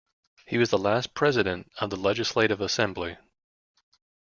He was the last president of the Legislative Assembly.